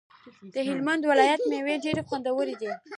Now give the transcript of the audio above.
د هلمند ولایت ميوی ډيری خوندوری دی